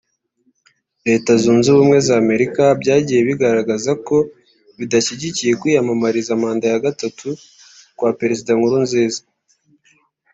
Leta Zunze Ubumwe za Amerika byagiye bigaragaza ko bidashyigikiye kwiyamamariza manda ya gatatu kwa Perezida Nkurunziza